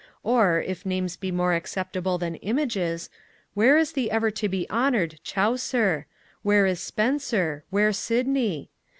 Or, if names be more acceptable than images, where is the ever to be honoured Chaucer? where is Spenser? where Sidney?